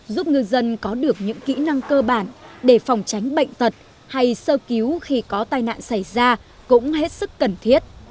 giúp ngư dân có được những kỹ năng cơ bản để phòng tránh bệnh tật hay sơ cứu khi có tai nạn xảy ra cũng hết sức cần thiết